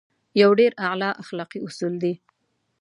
يو ډېر اعلی اخلاقي اصول دی.